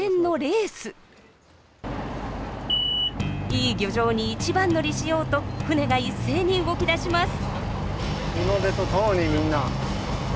いい漁場に一番乗りしようと船が一斉に動きだします。